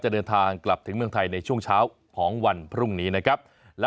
เดินทางกลับถึงเมืองไทยในช่วงเช้าของวันพรุ่งนี้นะครับ